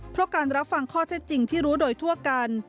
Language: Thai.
เพราะการรับฟังข้อเท็จจริงที่รู้โดยทั่วกัน